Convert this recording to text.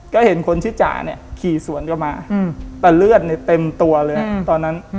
ก็เห็นคนชื่อจ๋าเนี่ยขี่สวนกลับมาแต่เลือดเนี่ยเต็มตัวเลยตอนนั้น